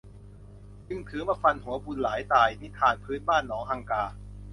จึงถือมาฟันหัวบุญหลายตาย นิทานพื้นบ้านหนองฮังกา